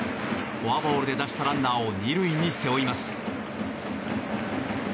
フォアボールで出したランナーを２塁に背負います。